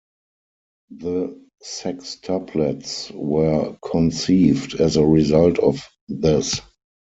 The sextuplets were conceived as a result of this.